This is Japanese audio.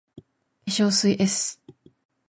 化粧水 ｓ